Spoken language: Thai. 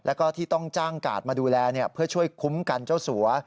แล้วก็ที่ต้องจ้างกาดมาดูแลเพื่อช่วยคุ้มกันเจ้าสัว